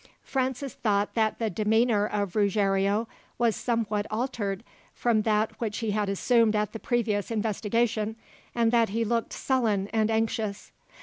Francis thought that the demeanour of Ruggiero was somewhat altered from that which he had assumed at the previous investigation, and that he looked sullen and anxious.